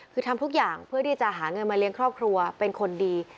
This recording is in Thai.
คือทำทุกอย่างเพื่อที่จะหาเงินมาเลี้ยงครอบครัวเป็นคนดี